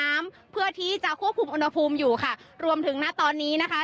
น้ำเพื่อที่จะควบคุมอุณหภูมิอยู่ค่ะรวมถึงณตอนนี้นะคะ